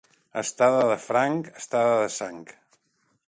Estada de franc, estada de sang.